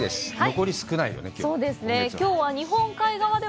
残り少ないよね、今月は。